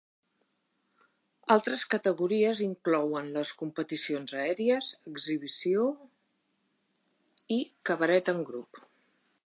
Altres categories inclouen les competicions Aèries, Exhibició i Cabaret en grup.